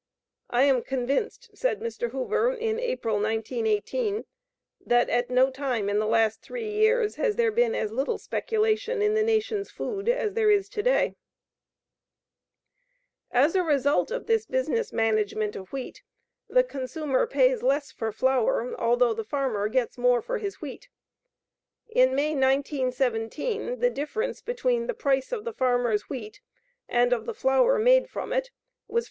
"I am convinced," said Mr. Hoover, in April, 1918, "that at no time in the last three years has there been as little speculation in the nation's food as there is to day." [Illustration: COST OF A POUND LOAF OF BREAD] As a result of this business management of wheat, the consumer pays less for flour, although the farmer gets more for his wheat. In May, 1917, the difference between the price of the farmer's wheat and of the flour made from it was $5.